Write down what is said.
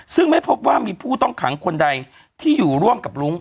ซึ่งไม่พบว่ามีผู้ต้องขังคนใดที่อยู่ร่วมกับรุ้ง